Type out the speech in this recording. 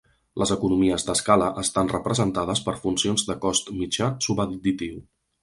Les economies d'escala estan representades per funcions de cost mitjà subadditiu.